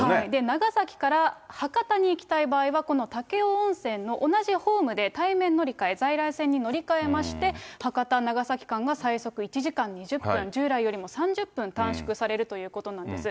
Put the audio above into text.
長崎から博多に行きたい場合は、この武雄温泉の同じホームで対面乗り換え、在来線に乗り換えまして、博多・長崎間が最速１時間２０分、従来よりも３０分短縮されるということなんです。